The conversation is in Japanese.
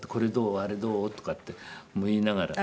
あれどう？とかって見ながら。